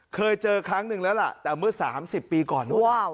เคยเจอครั้งหนึ่งแล้วล่ะแต่เมื่อ๓๐ปีก่อนนู้น